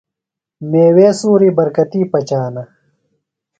میوے سُوری برکتی پچانہ۔